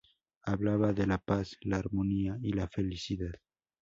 Hablaba de la paz, la armonía y la felicidad.